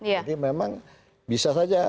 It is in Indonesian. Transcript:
jadi memang bisa saja